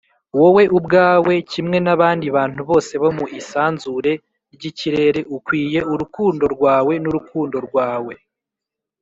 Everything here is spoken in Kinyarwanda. “wowe ubwawe, kimwe n'abandi bantu bose bo mu isanzure ry'ikirere, ukwiye urukundo rwawe n'urukundo rwawe.”